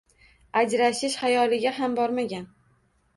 Ajrashish xayoliga ham borganman